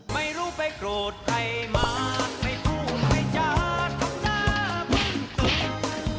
ไม่รู้ไปโกรธใครมาไม่รู้ใครจะทำหน้ามึงตึง